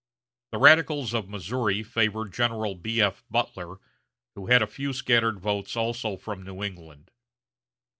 The radicals of Missouri favored General B.F. Butler, who had a few scattered votes also from New England.